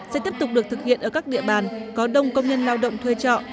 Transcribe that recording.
sẽ tiếp tục được thực hiện ở các địa bàn có đông công nhân lao động thuê trọ